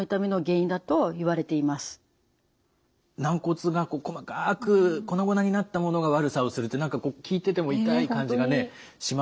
軟骨が細かく粉々になったものが悪さをするって何か聞いてても痛い感じがしますけれども。